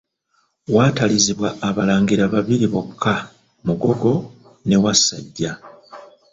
Waatalizibwa abalangira babiri bokka Mugogo ne Wassajja.